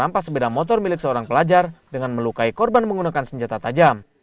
rampas sepeda motor milik seorang pelajar dengan melukai korban menggunakan senjata tajam